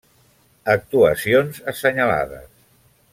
Actuacions assenyalades: